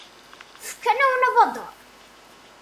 Fkan-awen abadaṛ.